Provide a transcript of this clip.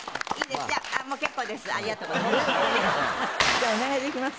じゃあお願いできます？